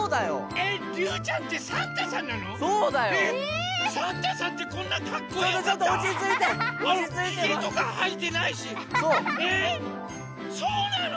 え⁉そうなの？